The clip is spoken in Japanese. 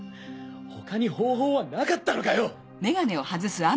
他に方法はなかったのかよ！